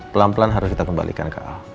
pelan pelan harus kita kembalikan